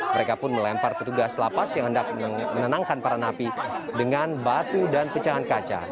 mereka pun melempar petugas lapas yang hendak menenangkan para napi dengan batu dan pecahan kaca